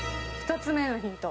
１つ目のヒント